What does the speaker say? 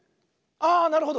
あなるほど！